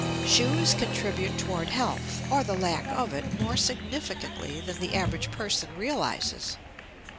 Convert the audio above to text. Shoes contribute toward health, or the lack of it, more significantly than the average person realizes.